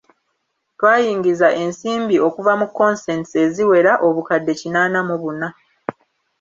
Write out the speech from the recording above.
Twayingiza ensimbi okuva mu consents eziwera obukadde kinaana mu buna.